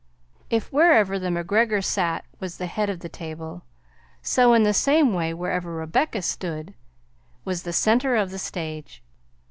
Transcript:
If wherever the MacGregor sat was the head of the table, so in the same way wherever Rebecca stood was the centre of the stage.